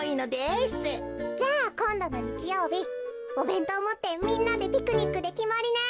じゃあこんどのにちようびおべんとうをもってみんなでピクニックできまりね。